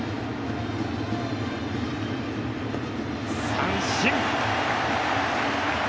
三振。